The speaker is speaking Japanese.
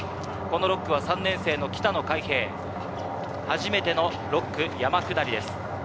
この６区は３年生の北野開平、初めての６区、山下りです。